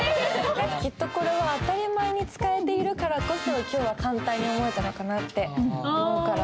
きっとこれは当たり前に使えているからこそ今日は簡単に思えたのかなって思うから。